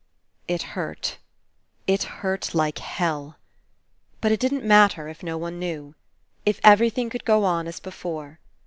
..." It hurt. It hurt like hell. But It didn't 174 FINALE matter, If no one knew. If everything could go on as before.